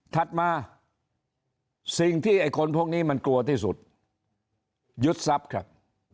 ถัดมาสิ่งที่ไอ้คนพวกนี้มันกลัวที่สุดยึดทรัพย์ครับ